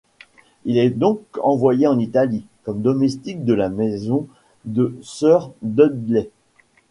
Il est donc envoyé en Italie comme domestique de la maison de Sir Dudley.